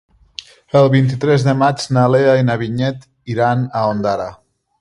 El vint-i-tres de maig na Lea i na Vinyet iran a Ondara.